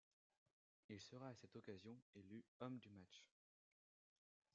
Il sera à cette occasion élu homme du match.